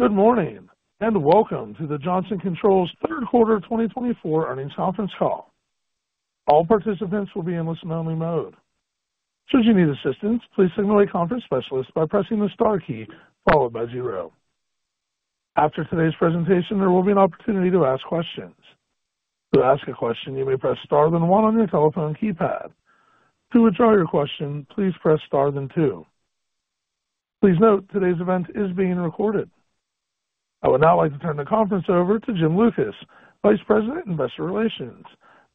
Good morning and Welcome to the Johnson Controls third quarter 2024 earnings conference call. All participants will be in listen-only mode. Should you need assistance, please signal a conference specialist by pressing the star key followed by zero. After today's presentation, there will be an opportunity to ask questions. To ask a question, you may press star then one on your telephone keypad. To withdraw your question, please press star then two. Please note today's event is being recorded. I would now like to turn the conference over to Jim Lucas, Vice President, Investor Relations.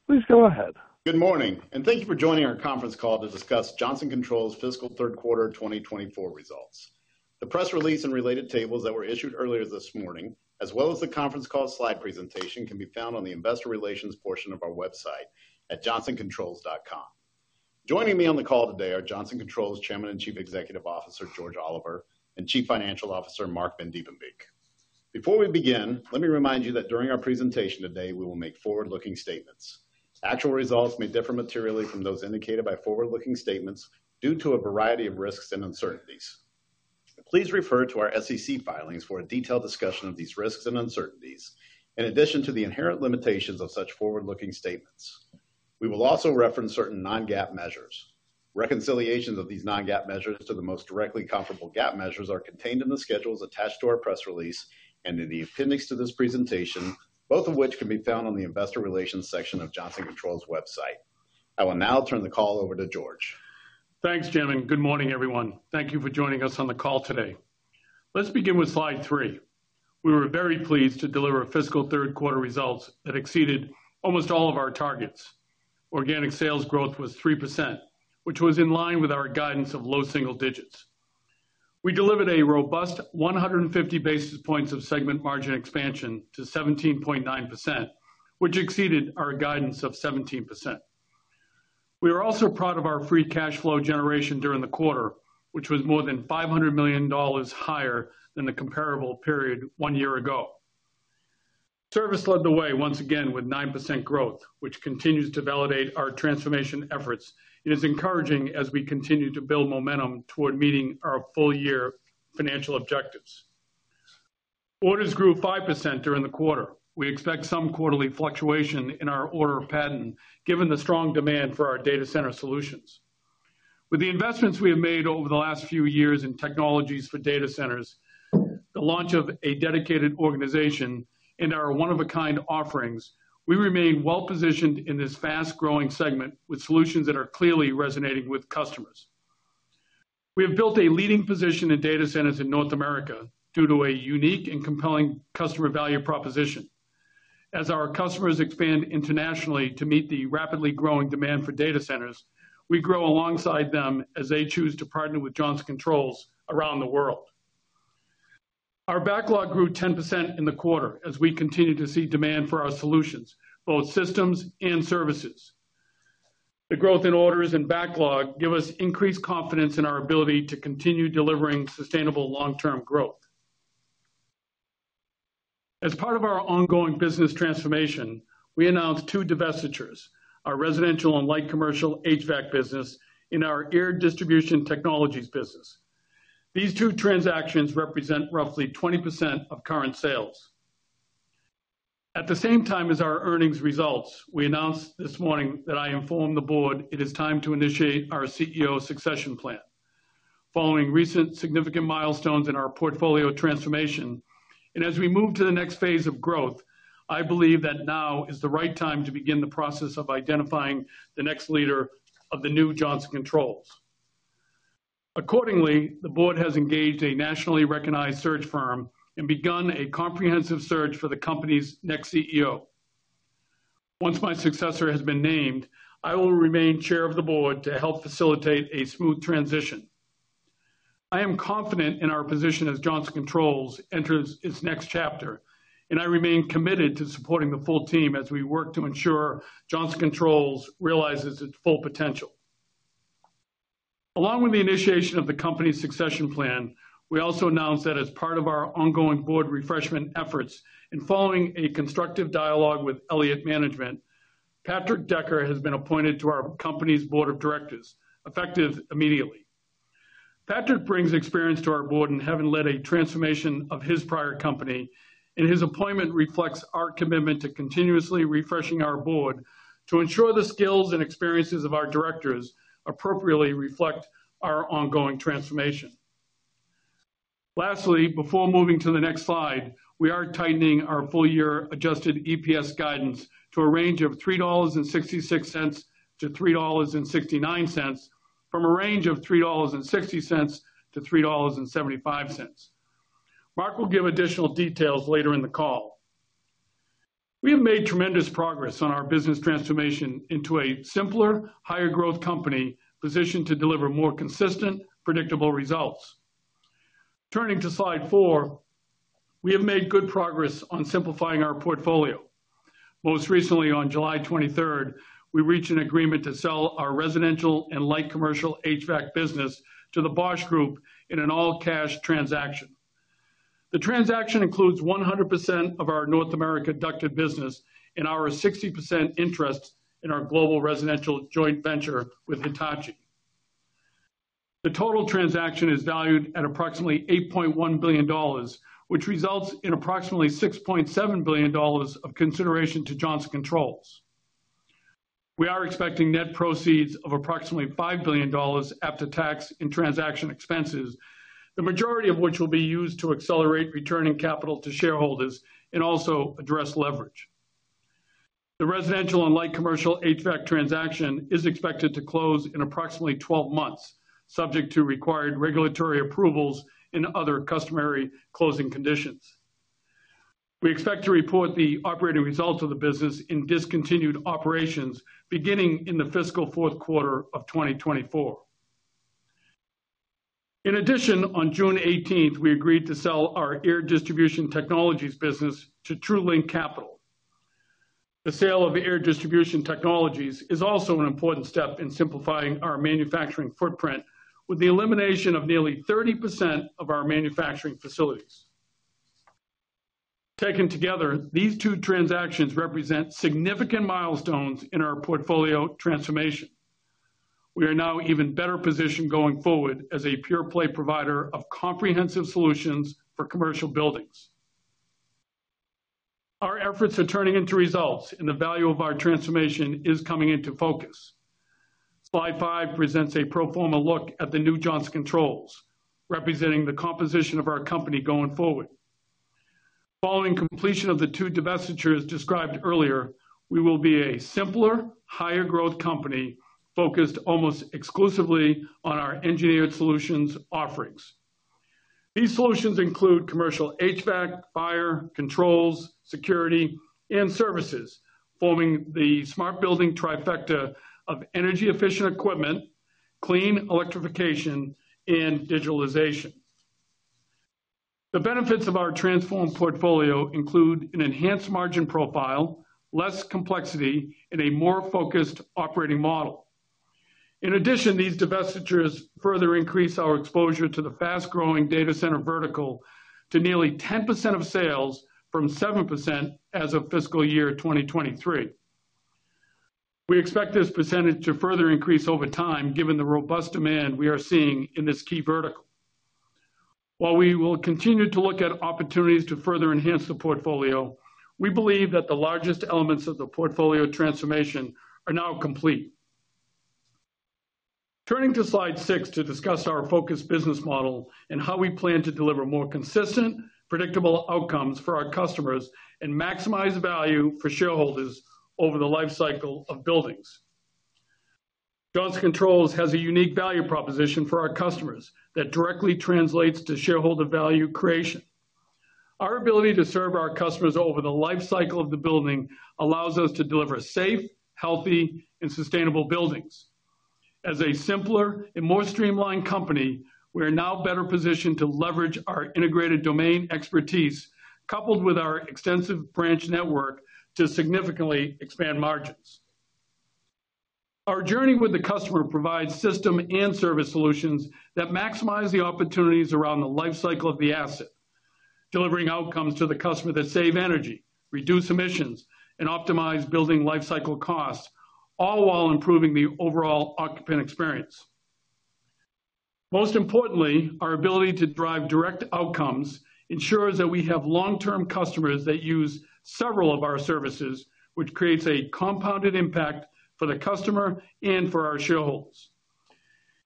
Please go ahead. Good morning, and Thank you for joining our conference call to discuss Johnson Controls' fiscal third quarter 2024 results. The press release and related tables that were issued earlier this morning, as well as the conference call slide presentation, can be found on the Investor Relations portion of our website at johnsoncontrols.com. Joining me on the call today are Johnson Controls Chairman and Chief Executive Officer George Oliver and Chief Financial Officer Marc Vandiepenbeeck. Before we begin, let me remind you that during our presentation today, we will make forward-looking statements. Actual results may differ materially from those indicated by forward-looking statements due to a variety of risks and uncertainties. Please refer to our SEC filings for a detailed discussion of these risks and uncertainties, in addition to the inherent limitations of such forward-looking statements. We will also reference certain non-GAAP measures. Reconciliations of these non-GAAP measures to the most directly comparable GAAP measures are contained in the schedules attached to our press release and in the appendix to this presentation, both of which can be found on the Investor Relations section of Johnson Controls' website. I will now turn the call over to George. Thanks, Jim. Good morning, everyone. Thank you for joining us on the call today. Let's begin with slide three. We were very pleased to deliver fiscal third quarter results that exceeded almost all of our targets. Organic sales growth was 3%, which was in line with our guidance of low single digits. We delivered a robust 150 basis points of segment margin expansion to 17.9%, which exceeded our guidance of 17%. We were also proud of our free cash flow generation during the quarter, which was more than $500 million higher than the comparable period one year ago. Service led the way once again with 9% growth, which continues to validate our transformation efforts. It is encouraging as we continue to build momentum toward meeting our full-year financial objectives. Orders grew 5% during the quarter. We expect some quarterly fluctuation in our order pattern given the strong demand for our data center solutions. With the investments we have made over the last few years in technologies for data centers, the launch of a dedicated organization, and our one-of-a-kind offerings, we remain well-positioned in this fast-growing segment with solutions that are clearly resonating with customers. We have built a leading position in data centers in North America due to a unique and compelling customer value proposition. As our customers expand internationally to meet the rapidly growing demand for data centers, we grow alongside them as they choose to partner with Johnson Controls around the world. Our backlog grew 10% in the quarter as we continue to see demand for our solutions, both systems and services. The growth in orders and backlog gives us increased confidence in our ability to continue delivering sustainable long-term growth. As part of our ongoing business transformation, we announced two divestitures: our residential and light commercial HVAC business and our Air Distribution Technologies business. These two transactions represent roughly 20% of current sales. At the same time as our earnings results, we announced this morning that I informed the board it is time to initiate our CEO succession plan. Following recent significant milestones in our portfolio transformation and as we move to the next phase of growth, I believe that now is the right time to begin the process of identifying the next leader of the new Johnson Controls. Accordingly, the board has engaged a nationally recognized search firm and begun a comprehensive search for the company's next CEO. Once my successor has been named, I will remain chair of the board to help facilitate a smooth transition. I am confident in our position as Johnson Controls enters its next chapter, and I remain committed to supporting the full team as we work to ensure Johnson Controls realizes its full potential. Along with the initiation of the company's succession plan, we also announced that as part of our ongoing board refreshment efforts and following a constructive dialogue with Elliott Management, Patrick Decker has been appointed to our company's board of directors, effective immediately. Patrick brings experience to our board and has led a transformation of his prior company, and his appointment reflects our commitment to continuously refreshing our board to ensure the skills and experiences of our directors appropriately reflect our ongoing transformation. Lastly, before moving to the next slide, we are tightening our full-year adjusted EPS guidance to a range of $3.66-$3.69, from a range of $3.60-$3.75. Marc will give additional details later in the call. We have made tremendous progress on our business transformation into a simpler, higher-growth company positioned to deliver more consistent, predictable results. Turning to slide four, we have made good progress on simplifying our portfolio. Most recently, on July 23rd, we reached an agreement to sell our residential and light commercial HVAC business to the Bosch Group in an all-cash transaction. The transaction includes 100% of our North America-ducted business and our 60% interest in our global residential joint venture with Hitachi. The total transaction is valued at approximately $8.1 billion, which results in approximately $6.7 billion of consideration to Johnson Controls. We are expecting net proceeds of approximately $5 billion after tax and transaction expenses, the majority of which will be used to accelerate returning capital to shareholders and also address leverage. The residential and light commercial HVAC transaction is expected to close in approximately 12 months, subject to required regulatory approvals and other customary closing conditions. We expect to report the operating results of the business in discontinued operations beginning in the fiscal fourth quarter of 2024. In addition, on June 18th, we agreed to sell our Air Distribution Technologies business to Truelink Capital. The sale of Air Distribution Technologies is also an important step in simplifying our manufacturing footprint with the elimination of nearly 30% of our manufacturing facilities. Taken together, these two transactions represent significant milestones in our portfolio transformation. We are now even better positioned going forward as a pure-play provider of comprehensive solutions for commercial buildings. Our efforts are turning into results, and the value of our transformation is coming into focus. Slide 5 presents a pro forma look at the new Johnson Controls, representing the composition of our company going forward. Following completion of the 2 divestitures described earlier, we will be a simpler, higher-growth company focused almost exclusively on our engineered solutions offerings. These solutions include commercial HVAC, fire, controls, security, and services, forming the smart building trifecta of energy-efficient equipment, clean electrification, and digitalization. The benefits of our transformed portfolio include an enhanced margin profile, less complexity, and a more focused operating model. In addition, these divestitures further increase our exposure to the fast-growing data center vertical to nearly 10% of sales from 7% as of fiscal year 2023. We expect this percentage to further increase over time, given the robust demand we are seeing in this key vertical. While we will continue to look at opportunities to further enhance the portfolio, we believe that the largest elements of the portfolio transformation are now complete. Turning to slide 6 to discuss our focused business model and how we plan to deliver more consistent, predictable outcomes for our customers and maximize value for shareholders over the lifecycle of buildings. Johnson Controls has a unique value proposition for our customers that directly translates to shareholder value creation. Our ability to serve our customers over the lifecycle of the building allows us to deliver safe, healthy, and sustainable buildings. As a simpler and more streamlined company, we are now better positioned to leverage our integrated domain expertise, coupled with our extensive branch network, to significantly expand margins. Our journey with the customer provides system and service solutions that maximize the opportunities around the lifecycle of the asset, delivering outcomes to the customer that save energy, reduce emissions, and optimize building lifecycle costs, all while improving the overall occupant experience. Most importantly, our ability to drive direct outcomes ensures that we have long-term customers that use several of our services, which creates a compounded impact for the customer and for our shareholders.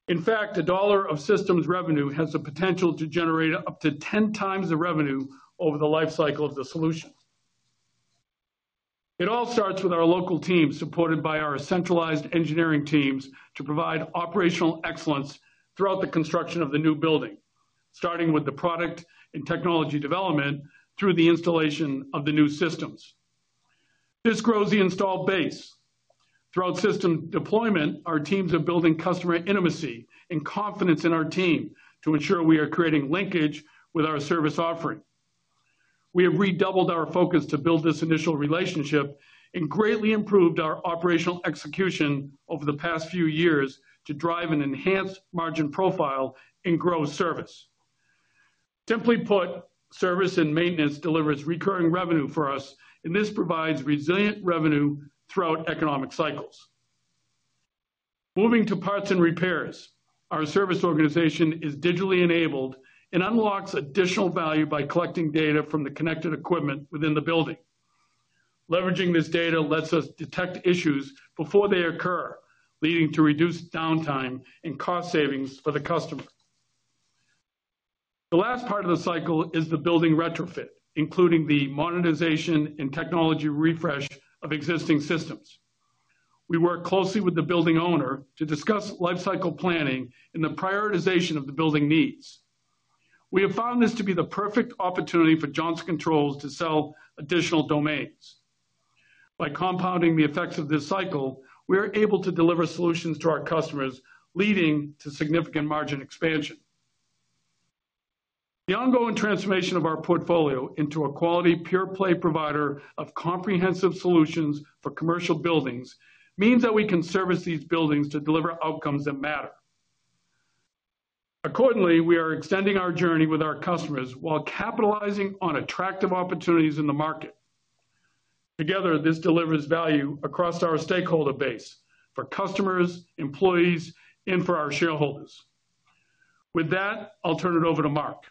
In fact, a dollar of systems revenue has the potential to generate up to 10 times the revenue over the lifecycle of the solution. It all starts with our local teams supported by our centralized engineering teams to provide operational excellence throughout the construction of the new building, starting with the product and technology development through the installation of the new systems. This grows the installed base. Throughout system deployment, our teams are building customer intimacy and confidence in our team to ensure we are creating linkage with our service offering. We have redoubled our focus to build this initial relationship and greatly improved our operational execution over the past few years to drive an enhanced margin profile and grow service. Simply put, service and maintenance delivers recurring revenue for us, and this provides resilient revenue throughout economic cycles. Moving to parts and repairs, our service organization is digitally enabled and unlocks additional value by collecting data from the connected equipment within the building. Leveraging this data lets us detect issues before they occur, leading to reduced downtime and cost savings for the customer. The last part of the cycle is the building retrofit, including the modernization and technology refresh of existing systems. We work closely with the building owner to discuss lifecycle planning and the prioritization of the building needs. We have found this to be the perfect opportunity for Johnson Controls to sell additional domains. By compounding the effects of this cycle, we are able to deliver solutions to our customers, leading to significant margin expansion. The ongoing transformation of our portfolio into a quality pure-play provider of comprehensive solutions for commercial buildings means that we can service these buildings to deliver outcomes that matter. Accordingly, we are extending our journey with our customers while capitalizing on attractive opportunities in the market. Together, this delivers value across our stakeholder base for customers, employees, and for our shareholders. With that, I'll turn it over to Marc.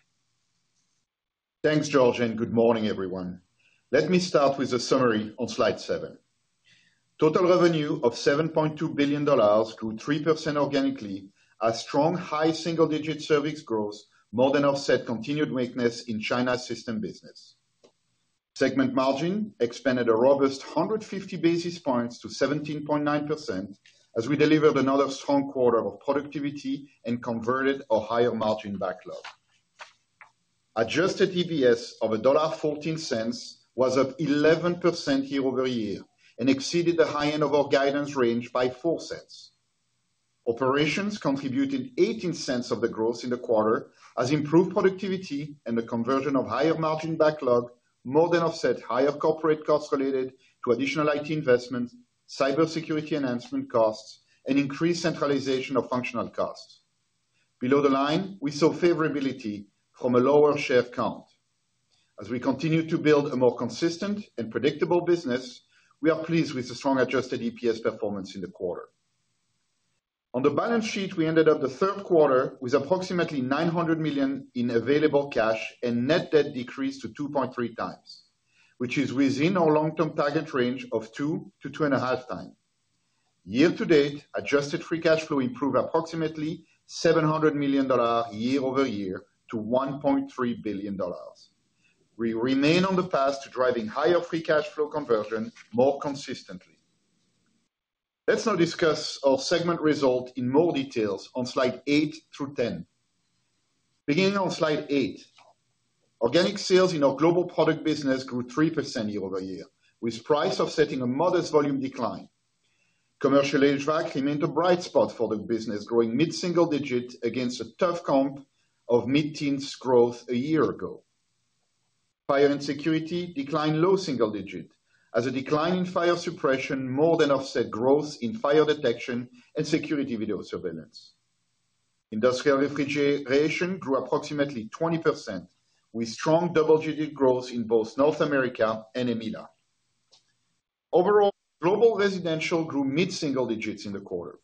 Thanks, George, and good morning, everyone. Let me start with a summary on slide seven. Total revenue of $7.2 billion grew 3% organically as strong, high single-digit service growth more than offset continued weakness in China's system business. Segment margin expanded a robust 150 basis points to 17.9% as we delivered another strong quarter of productivity and converted our higher margin backlog. Adjusted EPS of $1.14 was up 11% year-over-year and exceeded the high end of our guidance range by 4 cents. Operations contributed 18 cents of the growth in the quarter as improved productivity and the conversion of higher margin backlog more than offset higher corporate costs related to additional IT investments, cybersecurity enhancement costs, and increased centralization of functional costs. Below the line, we saw favorability from a lower share count. As we continue to build a more consistent and predictable business, we are pleased with the strong adjusted EPS performance in the quarter. On the balance sheet, we ended up the third quarter with approximately $900 million in available cash and net debt decreased to 2.3 times, which is within our long-term target range of 2-2.5 times. Year to date, adjusted free cash flow improved approximately $700 million year-over-year to $1.3 billion. We remain on the path to driving higher free cash flow conversion more consistently. Let's now discuss our segment result in more details on slide 8 through 10. Beginning on slide 8, organic sales in our global product business grew 3% year-over-year, with price offsetting a modest volume decline. Commercial HVAC remained a bright spot for the business, growing mid-single-digit against a tough comp of mid-teens growth a year ago. Fire and security declined low single digit as a decline in fire suppression more than offset growth in fire detection and security video surveillance. Industrial refrigeration grew approximately 20%, with strong double-digit growth in both North America and EMEALA. Overall, global residential grew mid-single digits in the quarter.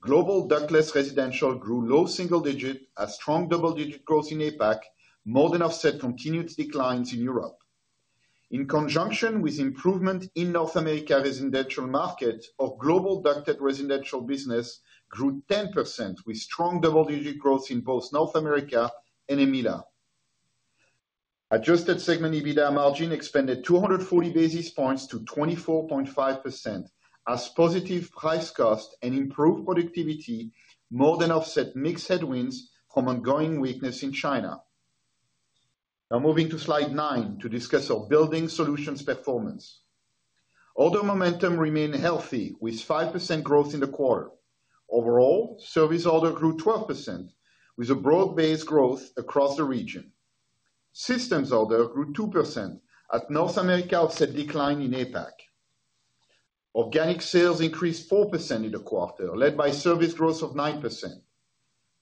Global ductless residential grew low single digit as strong double-digit growth in APAC more than offset continued declines in Europe. In conjunction with improvement in North America residential market, our global ducted residential business grew 10%, with strong double-digit growth in both North America and EMEALA. Adjusted segment EBITDA margin expanded 240 basis points to 24.5% as positive price cost and improved productivity more than offset mixed headwinds from ongoing weakness in China. Now moving to slide nine to discuss our building solutions performance. Order momentum remained healthy, with 5% growth in the quarter. Overall, service order grew 12%, with a broad-based growth across the region. Systems order grew 2% as North America offset decline in APAC. Organic sales increased 4% in the quarter, led by service growth of 9%.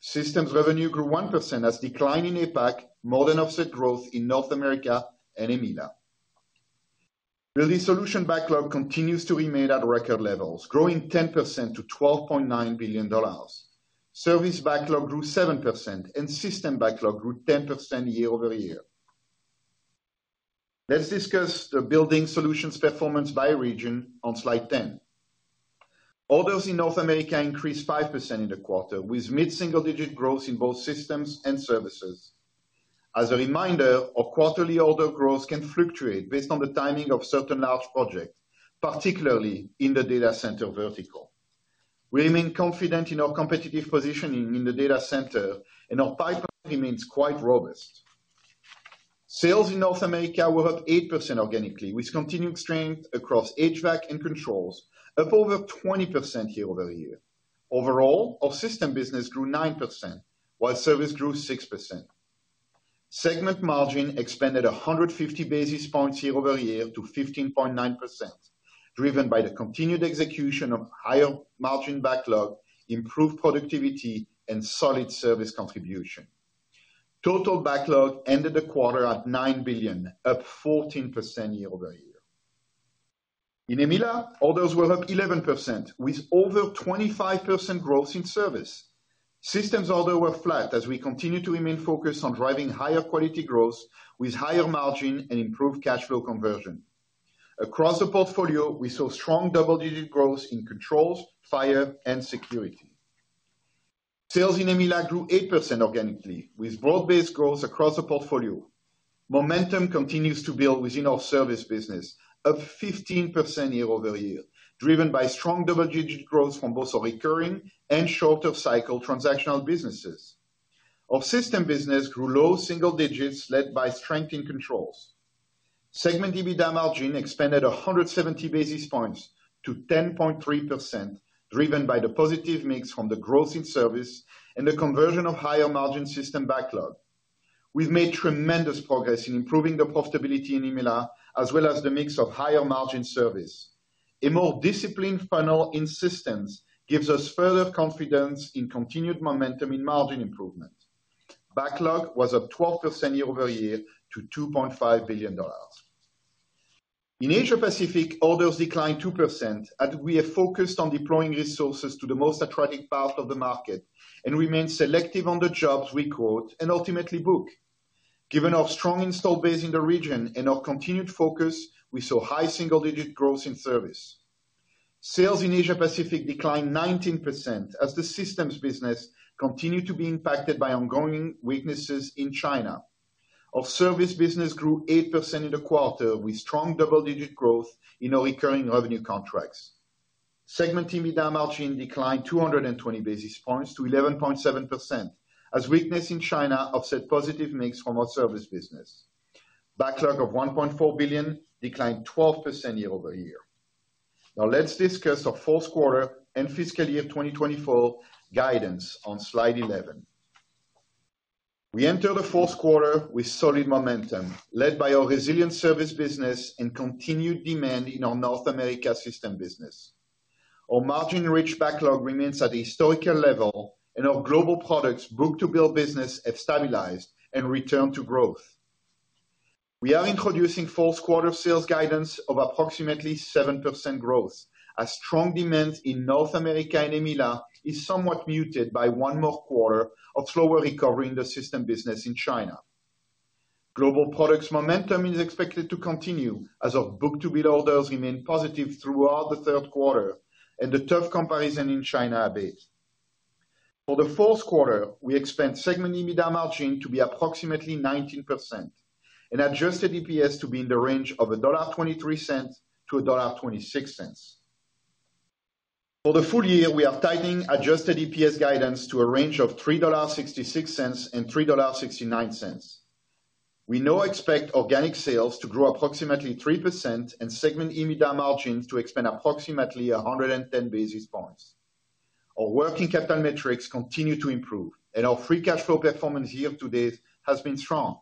Systems revenue grew 1% as decline in APAC more than offset growth in North America and EMEALA. Building solution backlog continues to remain at record levels, growing 10% to $12.9 billion. Service backlog grew 7%, and system backlog grew 10% year-over-year. Let's discuss the building solutions performance by region on slide 10. Orders in North America increased 5% in the quarter, with mid-single digit growth in both systems and services. As a reminder, our quarterly order growth can fluctuate based on the timing of certain large projects, particularly in the data center vertical. We remain confident in our competitive positioning in the data center, and our pipeline remains quite robust. Sales in North America were up 8% organically, with continued strength across HVAC and controls, up over 20% year-over-year. Overall, our system business grew 9%, while service grew 6%. Segment margin expanded 150 basis points year-over-year to 15.9%, driven by the continued execution of higher margin backlog, improved productivity, and solid service contribution. Total backlog ended the quarter at $9 billion, up 14% year-over-year. In EMEALA, orders were up 11%, with over 25% growth in service. Systems orders were flat as we continue to remain focused on driving higher quality growth with higher margin and improved cash flow conversion. Across the portfolio, we saw strong double-digit growth in controls, fire, and security. Sales in EMEALA grew 8% organically, with broad-based growth across the portfolio. Momentum continues to build within our service business, up 15% year-over-year, driven by strong double-digit growth from both our recurring and shorter cycle transactional businesses. Our system business grew low single digits, led by strength in controls. Segment EBITDA margin expanded 170 basis points to 10.3%, driven by the positive mix from the growth in service and the conversion of higher margin system backlog. We've made tremendous progress in improving the profitability in EMEALA, as well as the mix of higher margin service. A more disciplined funnel in systems gives us further confidence in continued momentum in margin improvement. Backlog was up 12% year-over-year to $2.5 billion. In Asia-Pacific, orders declined 2% as we have focused on deploying resources to the most attractive part of the market and remained selective on the jobs we quote and ultimately book. Given our strong installed base in the region and our continued focus, we saw high single-digit growth in service. Sales in Asia-Pacific declined 19% as the systems business continued to be impacted by ongoing weaknesses in China. Our service business grew 8% in the quarter, with strong double-digit growth in our recurring revenue contracts. Segment EBITDA margin declined 220 basis points to 11.7% as weakness in China offset positive mix from our service business. Backlog of $1.4 billion declined 12% year-over-year. Now let's discuss our fourth quarter and fiscal year 2024 guidance on slide 11. We entered the fourth quarter with solid momentum, led by our resilient service business and continued demand in our North America system business. Our margin-rich backlog remains at a historical level, and our global products book-to-build business have stabilized and returned to growth. We are introducing fourth quarter sales guidance of approximately 7% growth as strong demand in North America and EMEALA is somewhat muted by one more quarter of slower recovery in the system business in China. Global products momentum is expected to continue as our book-to-build orders remain positive throughout the third quarter and the tough comparison in China a bit. For the fourth quarter, we expect segment EBITDA margin to be approximately 19% and adjusted EPS to be in the range of $1.23-$1.26. For the full year, we are tightening adjusted EPS guidance to a range of $3.66-$3.69. We now expect organic sales to grow approximately 3% and segment EBITDA margin to expand approximately 110 basis points. Our working capital metrics continue to improve, and our free cash flow performance year to date has been strong.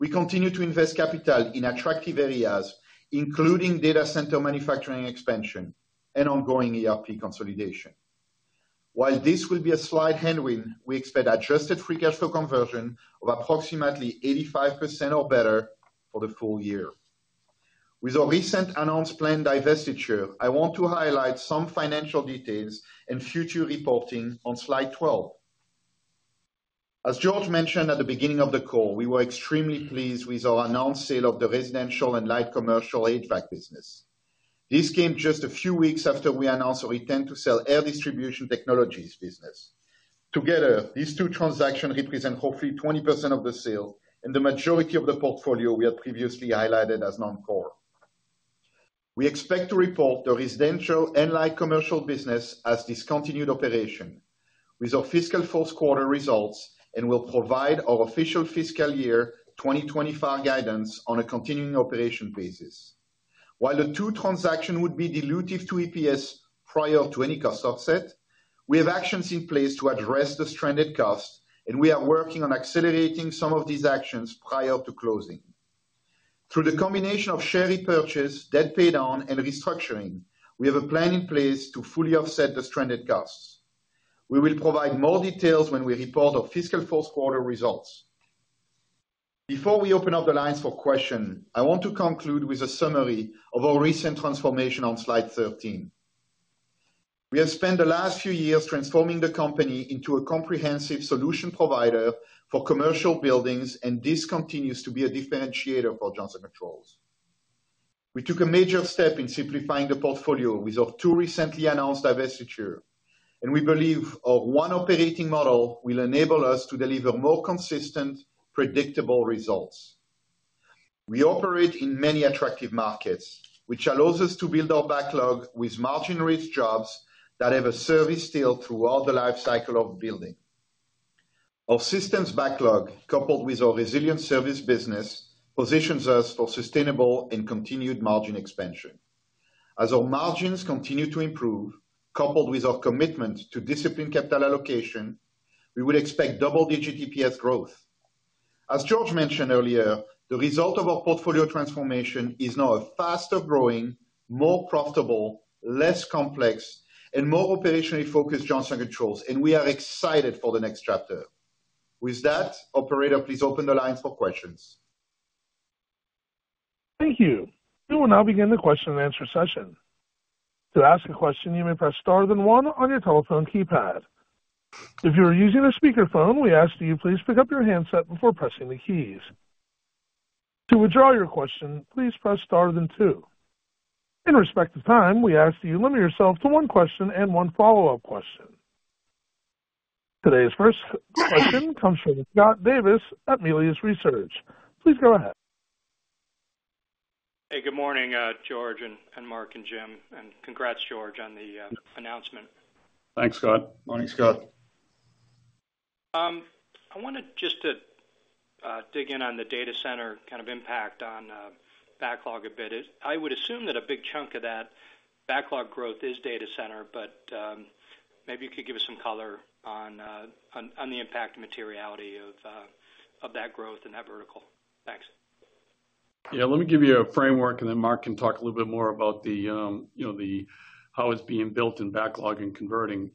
We continue to invest capital in attractive areas, including data center manufacturing expansion and ongoing ERP consolidation. While this will be a slight headwind, we expect adjusted free cash flow conversion of approximately 85% or better for the full year. With our recent announced planned divestiture, I want to highlight some financial details and future reporting on slide 12. As George mentioned at the beginning of the call, we were extremely pleased with our announced sale of the residential and light commercial HVAC business. This came just a few weeks after we announced our intent to sell Air Distribution Technologies business. Together, these two transactions represent roughly 20% of the sales and the majority of the portfolio we had previously highlighted as non-core. We expect to report the residential and light commercial business as discontinued operation with our fiscal fourth quarter results and will provide our official fiscal year 2025 guidance on a continuing operation basis. While the two transactions would be dilutive to EPS prior to any cost offset, we have actions in place to address the stranded costs, and we are working on accelerating some of these actions prior to closing. Through the combination of share repurchase, debt paid on, and restructuring, we have a plan in place to fully offset the stranded costs. We will provide more details when we report our fiscal fourth quarter results. Before we open up the lines for questions, I want to conclude with a summary of our recent transformation on slide 13. We have spent the last few years transforming the company into a comprehensive solution provider for commercial buildings and this continues to be a differentiator for Johnson Controls. We took a major step in simplifying the portfolio with our two recently announced divestitures, and we believe our one operating model will enable us to deliver more consistent, predictable results. We operate in many attractive markets, which allows us to build our backlog with margin-rich jobs that have a service tail throughout the lifecycle of the building. Our systems backlog, coupled with our resilient service business, positions us for sustainable and continued margin expansion. As our margins continue to improve, coupled with our commitment to disciplined capital allocation, we would expect double-digit EPS growth. As George mentioned earlier, the result of our portfolio transformation is now a faster growing, more profitable, less complex, and more operationally focused Johnson Controls, and we are excited for the next chapter. With that, Operator, please open the lines for questions. Thank you. We will now begin the question and answer session. To ask a question, you may press star then one on your telephone keypad. If you are using a speakerphone, we ask that you please pick up your handset before pressing the keys. To withdraw your question, please press star then two. In respect of time, we ask that you limit yourself to one question and one follow-up question. Today's first question comes from Scott Davis at Melius Research. Please go ahead. Hey, good morning, George and Marc and Jim. And congrats, George, on the announcement. Thanks, Scott. Morning, Scott. I wanted just to dig in on the data center kind of impact on backlog a bit. I would assume that a big chunk of that backlog growth is data center, but maybe you could give us some color on the impact and materiality of that growth in that vertical. Thanks. Yeah, let me give you a framework, and then Marc can talk a little bit more about how it's being built in backlog and converting.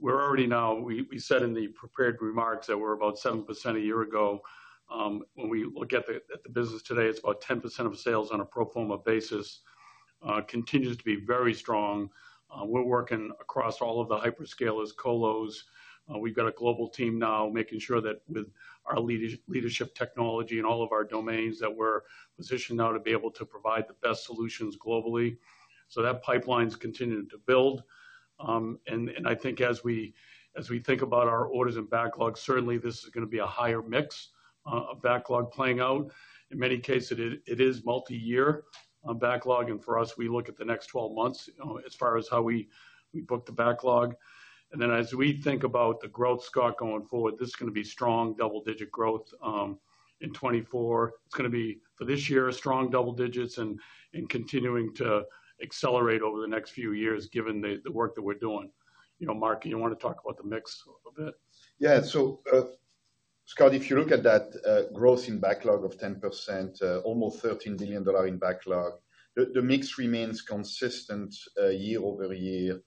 We're already now, we said in the prepared remarks that we're about 7% a year ago. When we look at the business today, it's about 10% of sales on a pro forma basis. Continues to be very strong. We're working across all of the hyperscalers, colos. We've got a global team now making sure that with our leadership technology in all of our domains that we're positioned now to be able to provide the best solutions globally. So that pipeline is continuing to build. And I think as we think about our orders and backlog, certainly this is going to be a higher mix of backlog playing out. In many cases, it is multi-year backlog, and for us, we look at the next 12 months as far as how we book the backlog. And then as we think about the growth, Scott, going forward, this is going to be strong double-digit growth in 2024. It's going to be, for this year, strong double digits and continuing to accelerate over the next few years given the work that we're doing. Marc, you want to talk about the mix a bit? Yeah, so Scott, if you look at that growth in backlog of 10%, almost $13 billion in backlog, the mix remains consistent year-over-year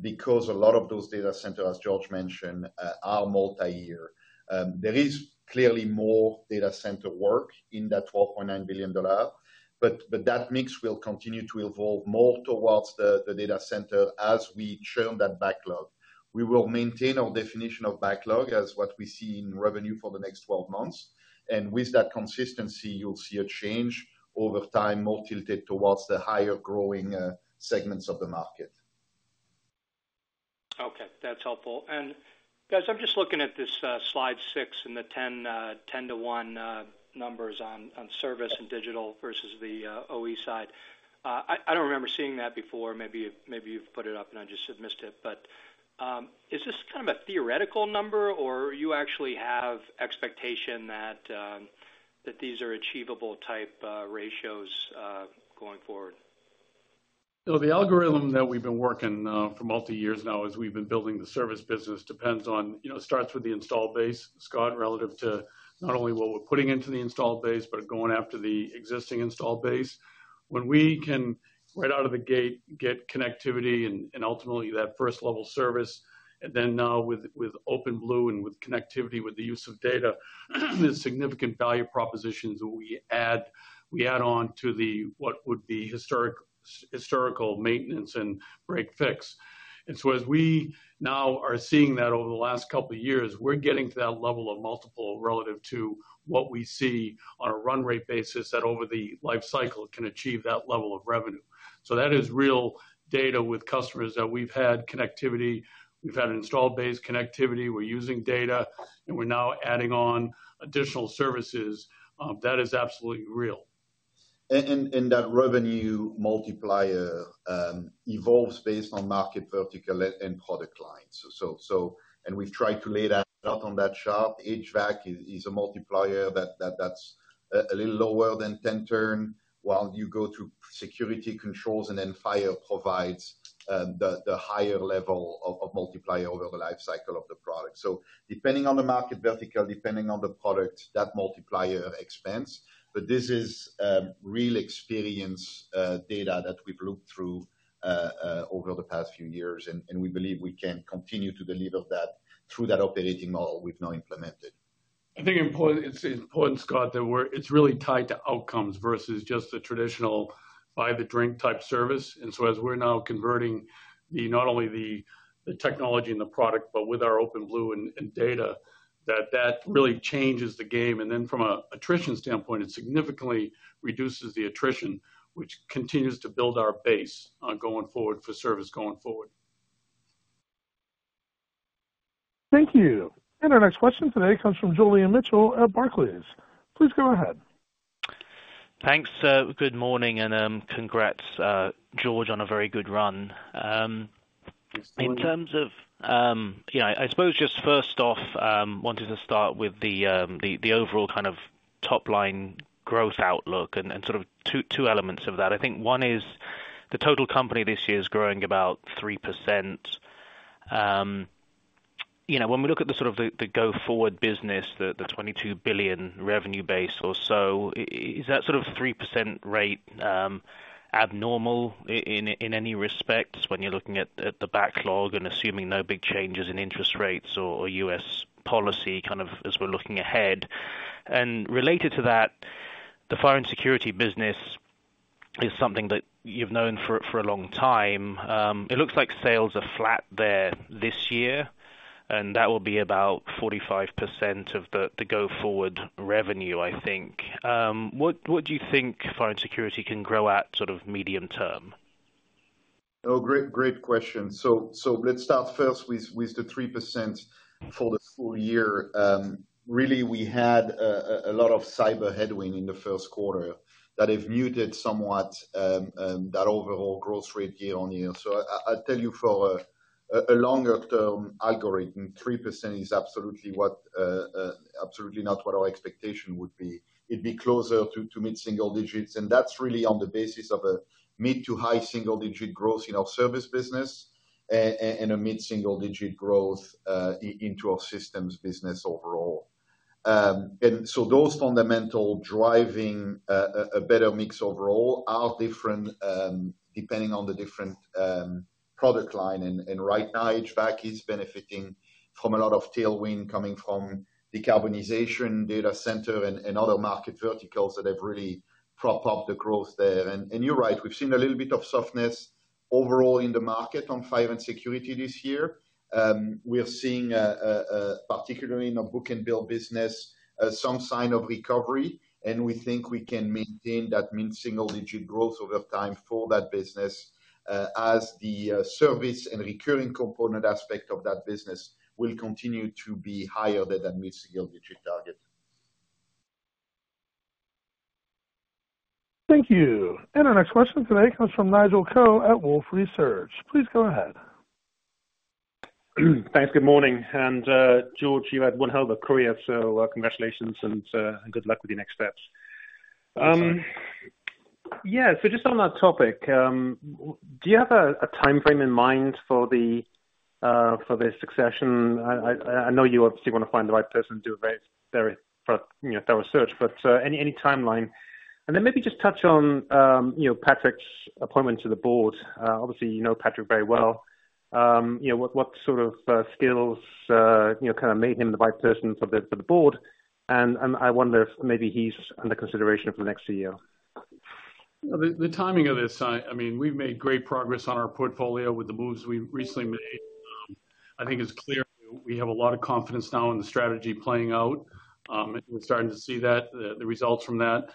because a lot of those data centers, as George mentioned, are multi-year. There is clearly more data center work in that $12.9 billion, but that mix will continue to evolve more towards the data center as we churn that backlog. We will maintain our definition of backlog as what we see in revenue for the next 12 months. And with that consistency, you'll see a change over time more tilted towards the higher growing segments of the market. Okay, that's helpful. And guys, I'm just looking at this slide 6 and the 10:1 numbers on service and digital versus the OE side. I don't remember seeing that before. Maybe you've put it up and I just had missed it. But is this kind of a theoretical number, or you actually have expectation that these are achievable type ratios going forward? The algorithm that we've been working for multi-years now as we've been building the service business depends on, it starts with the installed base, Scott, relative to not only what we're putting into the installed base, but going after the existing installed base. When we can, right out of the gate, get connectivity and ultimately that first-level service, and then now with OpenBlue and with connectivity with the use of data, there's significant value propositions that we add on to what would be historical maintenance and break fix. And so as we now are seeing that over the last couple of years, we're getting to that level of multiple relative to what we see on a run rate basis that over the lifecycle can achieve that level of revenue. So that is real data with customers that we've had connectivity, we've had installed base connectivity, we're using data, and we're now adding on additional services. That is absolutely real. And that revenue multiplier evolves based on market vertical and product lines. And we've tried to lay that out on that chart. HVAC is a multiplier that's a little lower than 10x while you go through security controls and then fire provides the higher level of multiplier over the lifecycle of the product. So depending on the market vertical, depending on the product, that multiplier expands. But this is real experience data that we've looked through over the past few years, and we believe we can continue to deliver that through that operating model we've now implemented. I think it's important, Scott, that it's really tied to outcomes versus just the traditional break-fix type service. And so as we're now converting not only the technology and the product, but with our OpenBlue and data, that really changes the game. And then from an attrition standpoint, it significantly reduces the attrition, which continues to build our base going forward for service going forward. Thank you. And our next question today comes from Julian Mitchell at Barclays. Please go ahead. Thanks. Good morning and congrats, George, on a very good run. In terms of, I suppose just first off, wanted to start with the overall kind of top-line growth outlook and sort of two elements of that. I think one is the total company this year is growing about 3%. When we look at the sort of the go-forward business, the $22 billion revenue base or so, is that sort of 3% rate abnormal in any respects when you're looking at the backlog and assuming no big changes in interest rates or U.S. policy kind of as we're looking ahead? And related to that, the fire and security business is something that you've known for a long time. It looks like sales are flat there this year, and that will be about 45% of the go-forward revenue, I think. What do you think fire and security can grow at sort of medium term? Oh, great question. So let's start first with the 3% for the full year. Really, we had a lot of cyber headwind in the first quarter that have muted somewhat that overall growth rate year-on-year. So I'll tell you for a longer-term algorithm, 3% is absolutely not what our expectation would be. It'd be closer to mid-single digits. That's really on the basis of a mid- to high single-digit growth in our service business and a mid-single-digit growth into our systems business overall. So those fundamental driving a better mix overall are different depending on the different product line. Right now, HVAC is benefiting from a lot of tailwind coming from decarbonization, data center, and other market verticals that have really propped up the growth there. You're right, we've seen a little bit of softness overall in the market on fire and security this year. We're seeing, particularly in the book and build business, some sign of recovery, and we think we can maintain that mid-single-digit growth over time for that business as the service and recurring component aspect of that business will continue to be higher than that mid-single-digit target. Thank you. And our next question today comes from Nigel Coe at Wolfe Research. Please go ahead. Thanks. Good morning. And George, you had one hell of a career, so congratulations and good luck with your next steps. Yeah, so just on that topic, do you have a timeframe in mind for the succession? I know you obviously want to find the right person to do a very thorough search, but any timeline? And then maybe just touch on Patrick's appointment to the board. Obviously, you know Patrick very well. What sort of skills kind of made him the right person for the board? And I wonder if maybe he's under consideration for the next year. The timing of this, I mean, we've made great progress on our portfolio with the moves we recently made. I think it's clear we have a lot of confidence now in the strategy playing out. We're starting to see the results from that.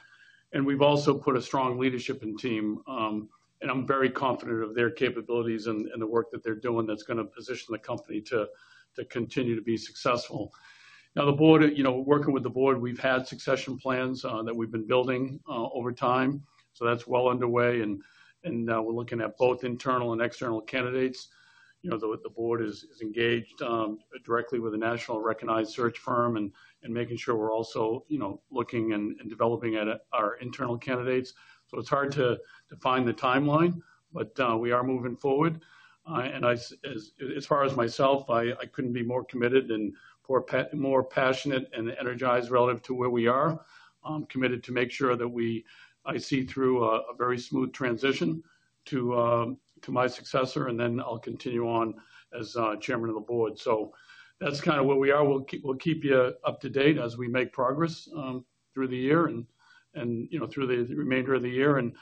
And we've also put a strong leadership in team. And I'm very confident of their capabilities and the work that they're doing that's going to position the company to continue to be successful. Now, the board, working with the board, we've had succession plans that we've been building over time. So that's well underway. And we're looking at both internal and external candidates. The board is engaged directly with a national recognized search firm and making sure we're also looking and developing our internal candidates. So it's hard to find the timeline, but we are moving forward. And as far as myself, I couldn't be more committed and more passionate and energized relative to where we are, committed to make sure that I see through a very smooth transition to my successor, and then I'll continue on as chairman of the board. So that's kind of where we are. We'll keep you up to date as we make progress through the year and through the remainder of the year and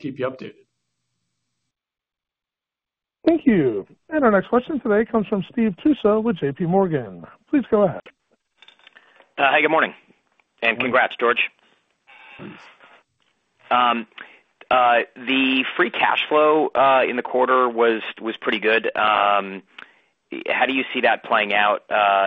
keep you updated. Thank you. And our next question today comes from Steve Tusa with JPMorgan. Please go ahead. Hi, good morning. And congrats, George. The free cash flow in the quarter was pretty good. How do you see that playing out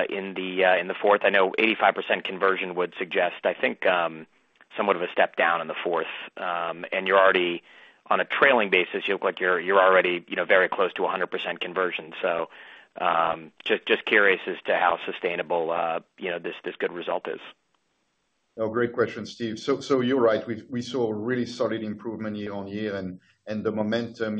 in the fourth? I know 85% conversion would suggest, I think, somewhat of a step down in the fourth. And you're already on a trailing basis. You look like you're already very close to 100% conversion. So just curious as to how sustainable this good result is. Oh, great question, Steve. So you're right. We saw really solid improvement year-over-year, and the year-to-date momentum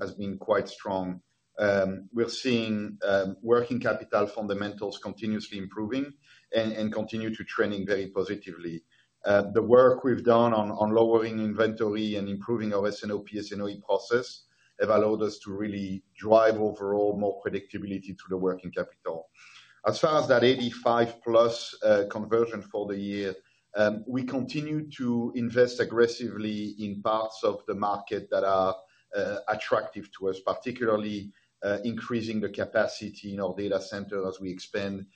has been quite strong. We're seeing working capital fundamentals continuously improving and continue to trend very positively. The work we've done on lowering inventory and improving our S&OP and OE process have allowed us to really drive overall more predictability to the working capital. As far as that 85-plus conversion for the year, we continue to invest aggressively in parts of the market that are attractive to us, particularly increasing the capacity in our data center as we expand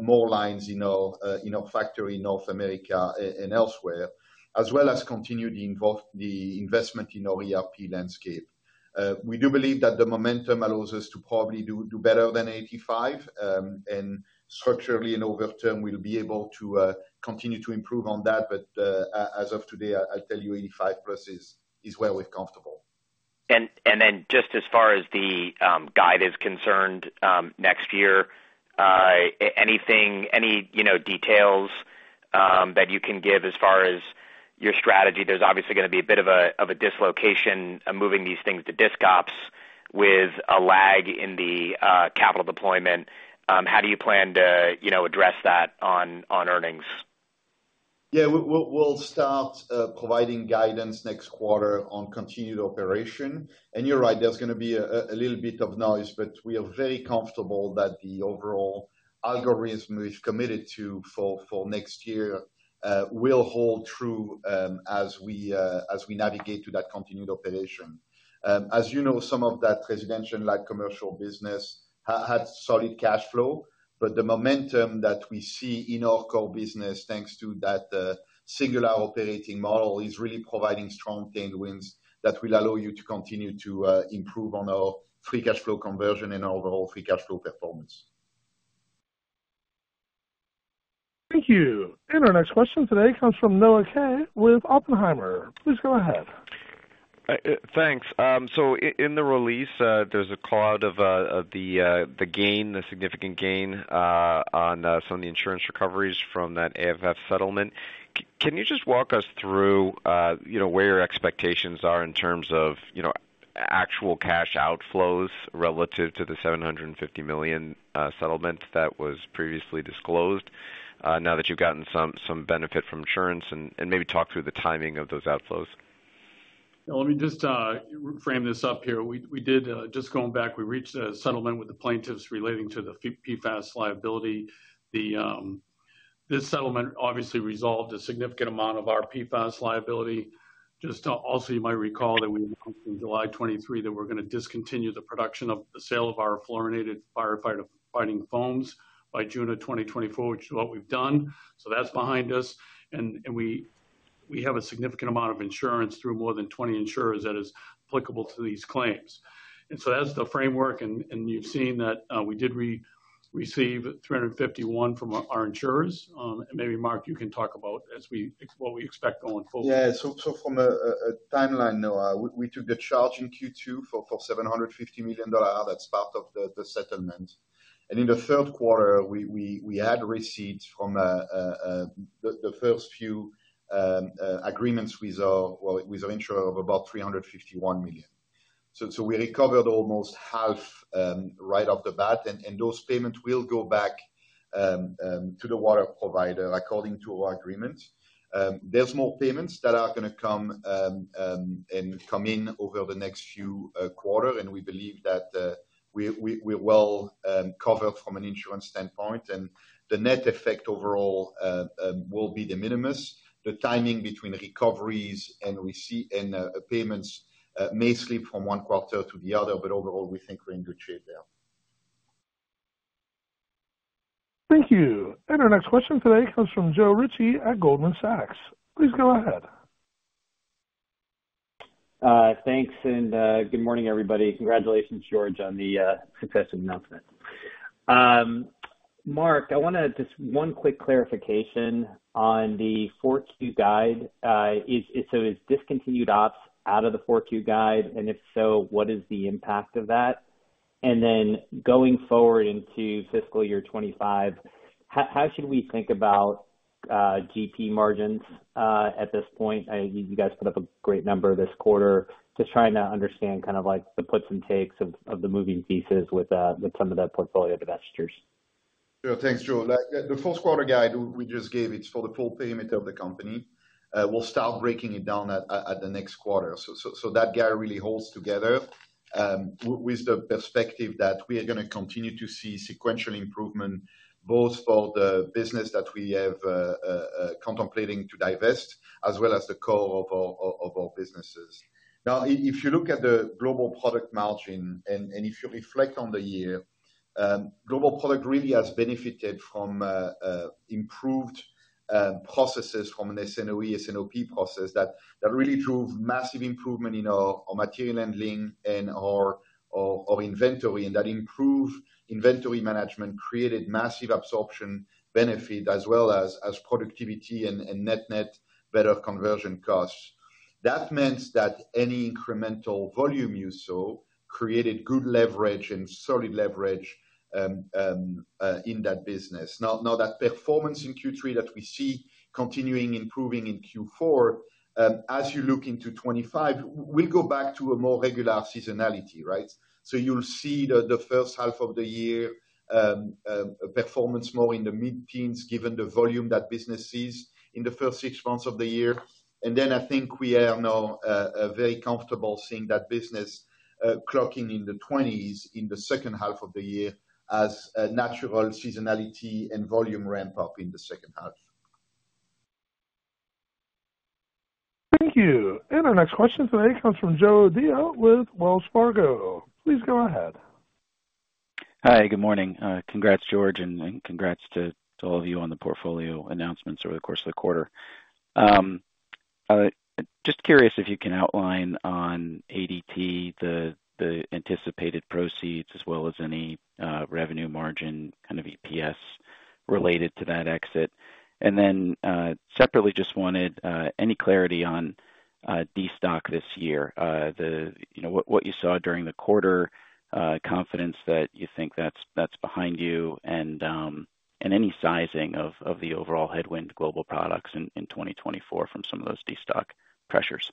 more lines in our factory in North America and elsewhere, as well as continue the investment in our ERP landscape. We do believe that the momentum allows us to probably do better than 85. And structurally, over time, we'll be able to continue to improve on that. But as of today, I'll tell you 85+ is where we're comfortable. And then just as far as the guide is concerned next year, any details that you can give as far as your strategy? There's obviously going to be a bit of a dislocation moving these things to discops with a lag in the capital deployment. How do you plan to address that on earnings? Yeah, we'll start providing guidance next quarter on continued operation. And you're right, there's going to be a little bit of noise, but we are very comfortable that the overall algorithm we've committed to for next year will hold true as we navigate to that continued operation. As you know, some of that residential-like commercial business had solid cash flow, but the momentum that we see in our core business thanks to that singular operating model is really providing strong tailwinds that will allow you to continue to improve on our free cash flow conversion and our overall free cash flow performance. Thank you. And our next question today comes from Noah Kaye with Oppenheimer. Please go ahead. Thanks. So in the release, there's a call out of the gain, the significant gain on some of the insurance recoveries from that AFFF settlement. Can you just walk us through where your expectations are in terms of actual cash outflows relative to the $750 million settlement that was previously disclosed now that you've gotten some benefit from insurance and maybe talk through the timing of those outflows? Let me just frame this up here. Just going back, we reached a settlement with the plaintiffs relating to the PFAS liability. This settlement obviously resolved a significant amount of our PFAS liability. Just also, you might recall that we announced in July 2023 that we're going to discontinue the production of the sale of our fluorinated firefighting foams by June of 2024, which is what we've done. So that's behind us. And we have a significant amount of insurance through more than 20 insurers that is applicable to these claims. And so that's the framework. And you've seen that we did receive $351 million from our insurers. And maybe, Marc, you can talk about what we expect going forward. Yeah. So from a timeline, Noah, we took the charge in Q2 for $750 million. That's part of the settlement. In the third quarter, we had receipts from the first few agreements with our insurer of about $351 million. So we recovered almost half right off the bat. Those payments will go back to the water provider according to our agreement. There's more payments that are going to come in over the next few quarters. We believe that we're well covered from an insurance standpoint. The net effect overall will be minimal. The timing between recoveries and payments may slip from one quarter to the other, but overall, we think we're in good shape there. Thank you. Our next question today comes from Joe Ritchie at Goldman Sachs. Please go ahead. Thanks. Good morning, everybody. Congratulations, George, on the successful announcement. Marc, I want to just one quick clarification on the Q4 guide. So is discontinued ops out of the four-Q guide? And if so, what is the impact of that? And then going forward into fiscal year 2025, how should we think about GP margins at this point? You guys put up a great number this quarter. Just trying to understand kind of the puts and takes of the moving pieces with some of the portfolio investors. Thanks, Joe. The four-quarter guide we just gave, it's for the full payment of the company. We'll start breaking it down at the next quarter. So that guide really holds together with the perspective that we are going to continue to see sequential improvement both for the business that we have contemplating to divest as well as the core of our businesses. Now, if you look at the global product margin and if you reflect on the year, global product really has benefited from improved processes from an S&OE, S&OP process that really drove massive improvement in our material handling and our inventory. That improved inventory management created massive absorption benefit as well as productivity and net-net better conversion costs. That meant that any incremental volume you saw created good leverage and solid leverage in that business. Now, that performance in Q3 that we see continuing improving in Q4, as you look into 2025, we'll go back to a more regular seasonality, right? So you'll see the first half of the year performance more in the mid-teens given the volume that business sees in the first six months of the year. And then I think we are now very comfortable seeing that business clocking in the 20s in the second half of the year as natural seasonality and volume ramp up in the second half. Thank you. And our next question today comes from with Joe O'Dea Wells Fargo. Please go ahead. Hi, good morning. Congrats, George, and congrats to all of you on the portfolio announcements over the course of the quarter. Just curious if you can outline on ADT the anticipated proceeds as well as any revenue margin kind of EPS related to that exit. And then separately, just wanted any clarity on destock this year, what you saw during the quarter, confidence that you think that's behind you, and any sizing of the overall headwind global products in 2024 from some of those destock pressures.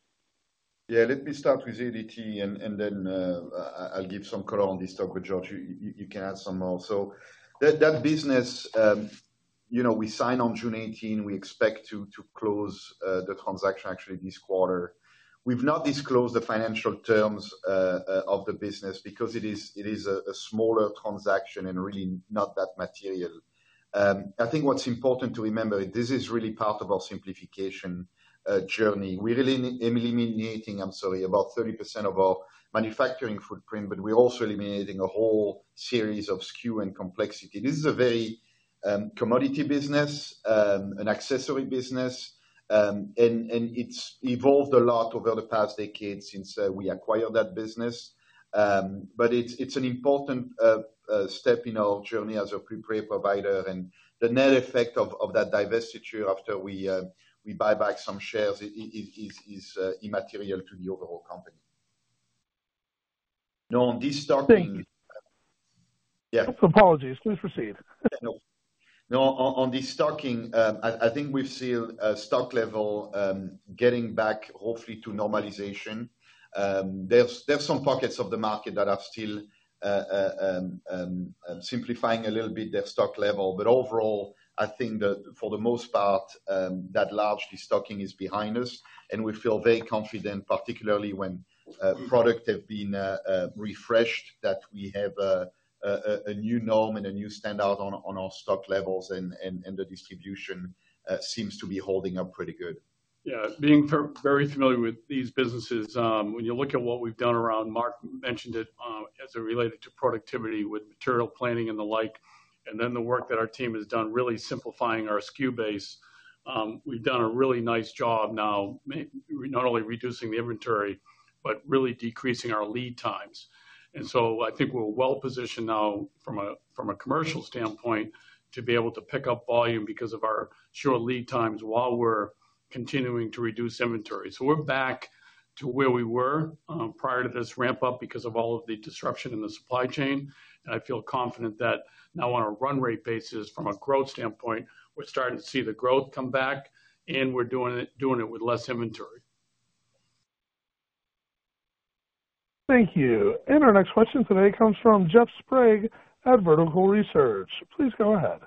Yeah, let me start with ADT, and then I'll give some clarity on destock, but George, you can add some more. So that business, we signed on June 18. We expect to close the transaction actually this quarter. We've not disclosed the financial terms of the business because it is a smaller transaction and really not that material. I think what's important to remember is this is really part of our simplification journey. We're really eliminating, I'm sorry, about 30% of our manufacturing footprint, but we're also eliminating a whole series of SKU and complexity. This is a very commodity business, an accessory business, and it's evolved a lot over the past decade since we acquired that business. But it's an important step in our journey as a pure-play provider. And the net effect of that divestiture after we buy back some shares is immaterial to the overall company. No, on destocking. Thank you. Yeah. Apologies. Please proceed. No, on destocking, I think we've seen stock level getting back hopefully to normalization. There's some pockets of the market that are still simplifying a little bit their stock level. But overall, I think that for the most part, that large destocking is behind us. And we feel very confident, particularly when product has been refreshed, that we have a new norm and a new standard on our stock levels, and the distribution seems to be holding up pretty good. Yeah. Being very familiar with these businesses, when you look at what we've done around, Marc mentioned it as it related to productivity with material planning and the like, and then the work that our team has done really simplifying our SKU base, we've done a really nice job now, not only reducing the inventory, but really decreasing our lead times. And so I think we're well positioned now from a commercial standpoint to be able to pick up volume because of our short lead times while we're continuing to reduce inventory. So we're back to where we were prior to this ramp-up because of all of the disruption in the supply chain. And I feel confident that now on a run rate basis, from a growth standpoint, we're starting to see the growth come back, and we're doing it with less inventory. Thank you. And our next question today comes from Jeff Sprague at Vertical Research. Please go ahead.